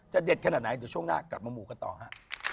เด็ดขนาดไหนเดี๋ยวช่วงหน้ากลับมาหมู่กันต่อฮะ